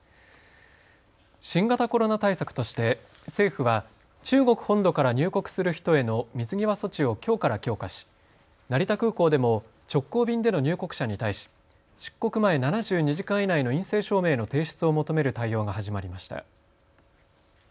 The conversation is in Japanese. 新型コロナ対策として政府は中国本土から入国する人への水際措置をきょうから強化し成田空港でも直行便での入国者に対し出国前７２時間以内の陰性証明の提出を求める対応が始まりました。